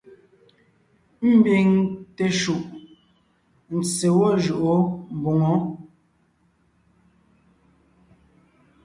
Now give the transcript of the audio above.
Ḿbiŋ teshúʼ, ntse gwɔ́ jʉʼó mboŋó.